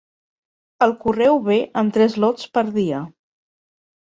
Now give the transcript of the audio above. El correu ve en tres lots per dia.